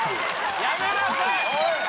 やめなさい！